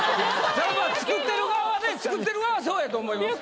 そらまあ作ってる側はね作ってる側はそうやと思いますけど。